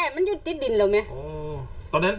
พูดได้มันอยู่ติดดินแล้วไหม